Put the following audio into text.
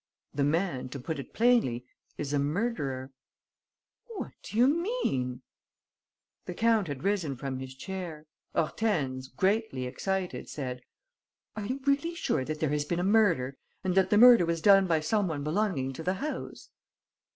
"The man, to put it plainly, is a murderer." "What do you mean?" The count had risen from his chair. Hortense, greatly excited, said: "Are you really sure that there has been a murder and that the murder was done by some one belonging to the house?"